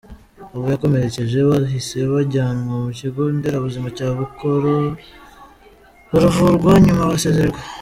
Abo yakomerekeje bahise bajyanwa ku Kigo Nderabuzima cya Bukora, baravurwa nyuma barasezererwa.